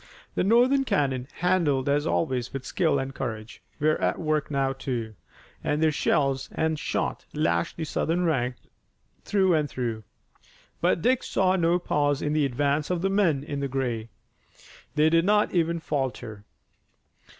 The Northern cannon, handled as always with skill and courage, were at work now, too, and their shells and shot lashed the Southern ranks through and through. But Dick saw no pause in the advance of the men in gray. They did not even falter.